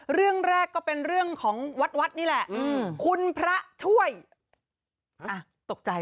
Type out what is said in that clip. เรื่องแรกก็เป็นเรื่องของวัดวัดนี่แหละคุณพระช่วยอ่ะตกใจ